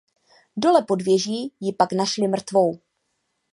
Dole pod věží ji pak našli mrtvou.